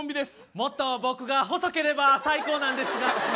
もっと僕が細ければ最高なんですが。